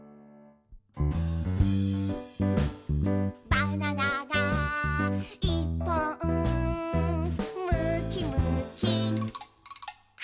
「バナナがいっぽん」「むきむきはんぶんこ！」